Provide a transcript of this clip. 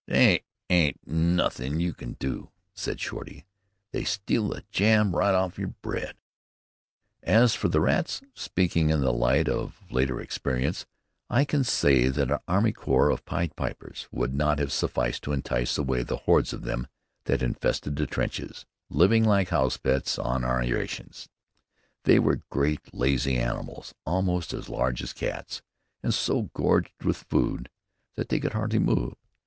"They ain't nothin' you can do," said Shorty. "They steal the jam right off yer bread." As for the rats, speaking in the light of later experience, I can say that an army corps of pied pipers would not have sufficed to entice away the hordes of them that infested the trenches, living like house pets on our rations. They were great lazy animals, almost as large as cats, and so gorged with food that they could hardly move.